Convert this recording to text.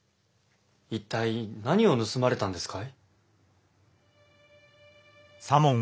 一体何を盗まれたんですかい？